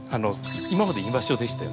今まで居場所でしたよね。